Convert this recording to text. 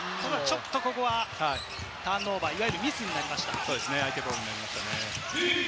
ここはターンオーバー、ミスになりました。